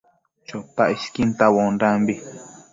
Chotac isquin tauaondambi